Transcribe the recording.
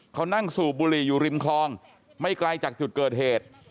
เขานั่งสูบบุหรี่อยู่ริมคลองไม่ไกลจากจุดเกิดเหตุ